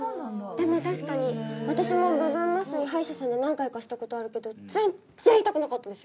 でも確かに私も部分麻酔歯医者さんで何回かしたことあるけど全っ然痛くなかったですよ。